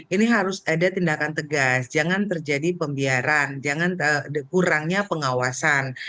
ini harus ada tindakan tegas jangan terjadi pembiaran kurangnya pengawasan